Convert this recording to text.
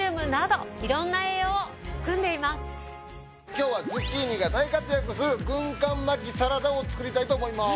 今日はズッキーニが大活躍する軍艦巻きサラダを作りたいと思います。